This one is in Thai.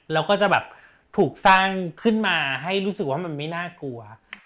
แล้วก็จะแบบถูกสร้างขึ้นมาให้รู้สึกว่ามันไม่น่ากลัว